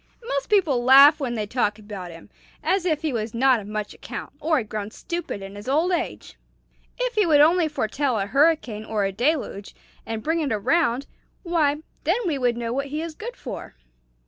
Most people laugh when they talk about him, as if he was not of much account, or had grown stupid in his old age. If he would only foretell a hurricane or a deluge, and bring it around, why, then we would know what he is good for."